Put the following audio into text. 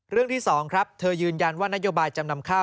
ที่๒ครับเธอยืนยันว่านโยบายจำนำข้าว